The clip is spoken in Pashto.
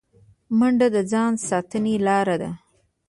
منډه د ځان ساتنې لاره ده